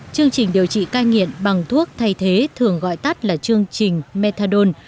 chương trình điều trị cai nghiện bằng thuốc thay thế thường gọi tắt là chương trình methadone